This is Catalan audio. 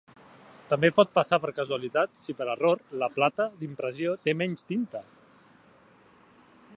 També pot passar per casualitat si, per error, la plata d'impressió té menys tinta.